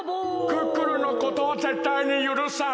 クックルンのことはぜったいにゆるさん！